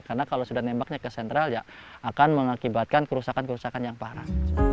karena kalau sudah nembaknya ke sentral ya akan mengakibatkan kerusakan kerusakan yang parah